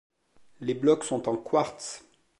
Les blocs sont en quartz.